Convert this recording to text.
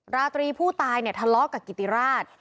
ราตรีผู้ตายเนี่ยทะเลาะกับกิติราช